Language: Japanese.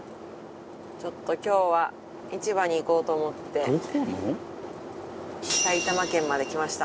今日は市場に行こうと思って埼玉県まで来ました。